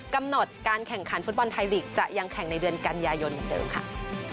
กำหนดการแข่งขันฟุตบอลไทยลีกจะยังแข่งในเดือนกันยายนเหมือนเดิมค่ะ